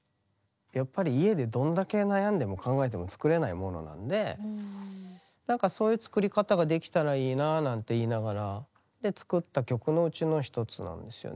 やっぱり家でどんだけ悩んでも考えても作れないものなんで何かそういう作り方ができたらいいなあなんて言いながらで作った曲のうちの一つなんですよね